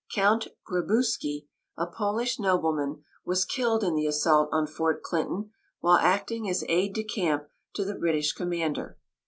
Count Grabouski, a Polish nobleman, was killed in the assault on Fort Clinton, while acting as aid de camp to the British commander.